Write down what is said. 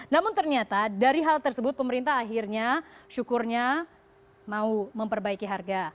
namun ternyata dari hal tersebut pemerintah akhirnya syukurnya mau memperbaiki harga